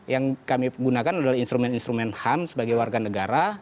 yang kami gunakan adalah instrumen instrumen ham sebagai warga negara